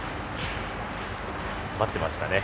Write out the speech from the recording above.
待ってましたね。